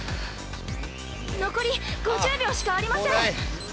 ◆残り５０秒しかありません！